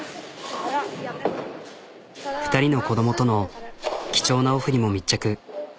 ２人の子供との貴重なオフにも密着。